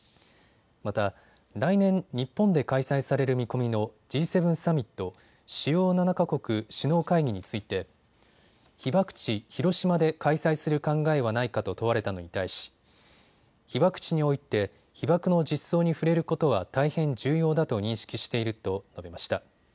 また来年日本で開催される見込みのＧ７サミット・主要７か国首脳会議について被爆地、広島で開催する考えはないかと問われたのに対し被爆地において、被爆の実相に触れることは大変重要だと認識していると述べました。